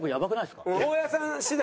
大家さん次第。